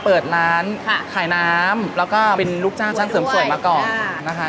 เปิดร้านขายน้ำแล้วก็เป็นลูกจ้างช่างเสริมสวยมาก่อนนะคะ